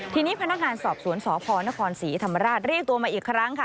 ทีนี้พนักงานสอบสวนสพนครศรีธรรมราชเรียกตัวมาอีกครั้งค่ะ